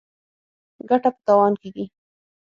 ـ ګټه په تاوان کېږي.